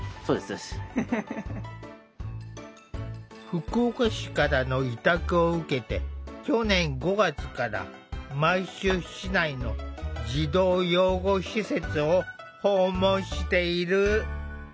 福岡市からの委託を受けて去年５月から毎週市内の児童養護施設を訪問している。